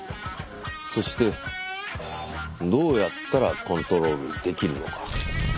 そしてどうやったらコントロールできるのか。